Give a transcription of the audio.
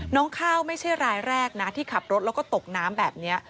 ข้าวไม่ใช่รายแรกนะที่ขับรถแล้วก็ตกน้ำแบบนี้